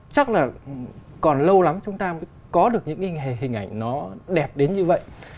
chắc là còn lâu lắm chúng ta mới có được những cái hình ảnh nó đẹp đến như vậy